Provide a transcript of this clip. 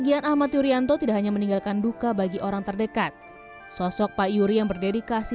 dan ahmad yuryanto tidak hanya meninggalkan duka bagi orang terdekat sosok pak yuri yang berdedikasi